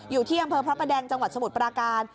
อยู่ที่อำเภอพระประแดงจังหวัดสมุทรปราการ